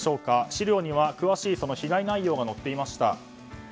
資料には詳しい被害内容が載っていました。